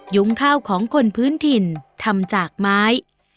ยุ้งข้าวของคนพื้นถิ่นทำจากไม้